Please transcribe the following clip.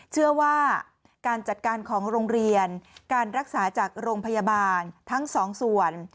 เชื่อว่าการจัดการของโรงเรียนการรักษาจากโรงพยาบาลทั้งสองส่วน